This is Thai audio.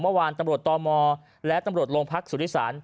เมื่อวานตำรวจตมและตำรวจโรงพักสุธิศาล